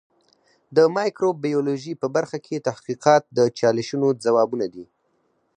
د مایکروبیولوژي په برخه کې تحقیقات د چالشونو ځوابونه دي.